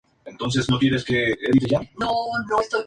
Circula tres veces por semana en su edición impresa.